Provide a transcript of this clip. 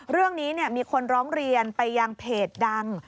เรื่องนี้มีคนร้องเรียนไปยังเพจดัง